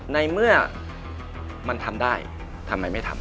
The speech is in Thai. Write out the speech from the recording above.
ในเมื่อมันทำได้ทำไมไม่ทำ